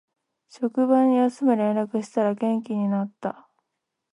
職場に休む連絡したら元気になった